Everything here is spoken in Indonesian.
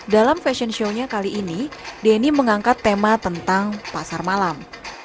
dalam fashion show nya kali ini denny mengangkat tema tentang pasar malam